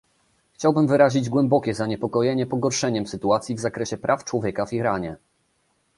Chciałbym wyrazić głębokie zaniepokojenie pogorszeniem sytuacji w zakresie praw człowieka w Iranie